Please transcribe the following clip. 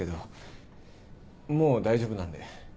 もう大丈夫なんで。